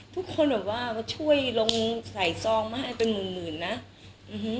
ทุกคนแบบว่าช่วยลงใส่ซองมาให้เป็นหมื่นหมื่นนะอืม